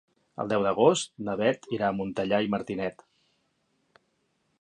El deu d'agost na Beth irà a Montellà i Martinet.